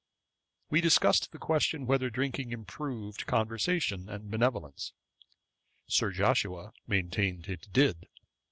We discussed the question whether drinking improved conversation and benevolence. Sir Joshua maintained it did.